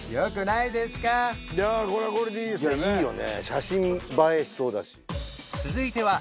いいよね